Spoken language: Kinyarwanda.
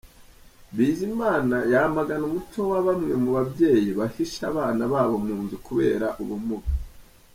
Bizimana yamagana umuco wa bamwe mu babyeyi bahisha abana babo mu nzu kubera ubumuga.